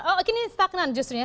oh ini stagnan justrinya